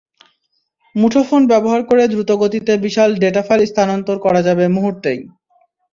মুঠোফোন ব্যবহার করে দ্রুতগতিতে বিশাল ডেটা ফাইল স্থানান্তর করা যাবে মুহূর্তেই।